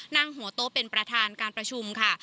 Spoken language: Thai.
นั่งหัวโต๊ะเป็นประธานการประชุมค่ะ